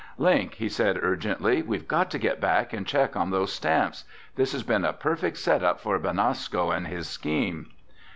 "Link," he said urgently, "we've got to get back and check on those stamps! This has been a perfect set up for Benasco and his scheme!"